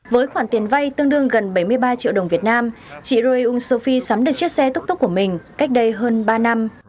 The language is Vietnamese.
với khoản tiền vay tương đương gần bảy mươi ba triệu đồng việt nam chị roy us sofi sắm được chiếc xe túc túc của mình cách đây hơn ba năm